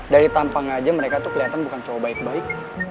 dari tampang aja mereka tuh kelihatan bukan cowok baik